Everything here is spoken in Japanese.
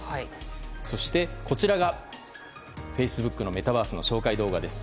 そして、こちらがフェイスブックのメタバースの紹介動画です。